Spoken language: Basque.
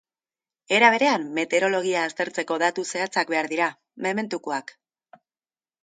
Era berean, meteorologia aztertzeko datu zehatzak behar dira, mementukoak.